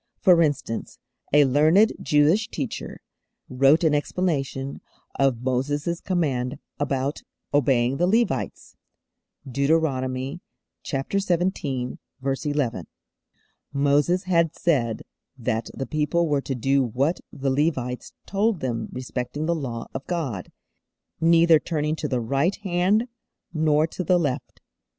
For instance, a learned Jewish teacher wrote an explanation of Moses' command about obeying the Levites. (Deuteronomy xvii. 11.) Moses had said that the people were to do what the Levites told them respecting the Law of God, neither turning _'to the right hand, nor to the left.